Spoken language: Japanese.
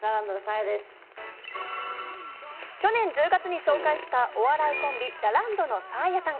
去年１０月に紹介したお笑いコンビ、ラランドのサーヤさん。